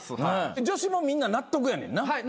女子もみんな納得やねんな？